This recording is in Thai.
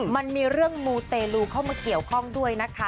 มันมีเรื่องมูเตลูเข้ามาเกี่ยวข้องด้วยนะคะ